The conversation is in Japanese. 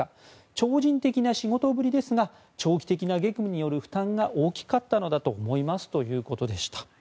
超人的な仕事ぶりですが長期的な激務による負担が大きかったのだと思いますということでした。